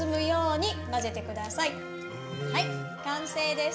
はい、完成です。